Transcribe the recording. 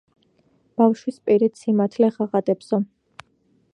ბავშვის პირით სიმართლე ღაღადებსო!